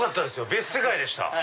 別世界でした。